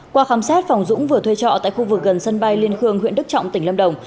qua khám xét phòng dũng vừa thuê trọ tại khu vực gần sân bay liên khương huyện đức trọng tỉnh lâm đồng